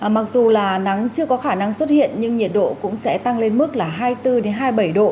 mặc dù là nắng chưa có khả năng xuất hiện nhưng nhiệt độ cũng sẽ tăng lên mức là hai mươi bốn hai mươi bảy độ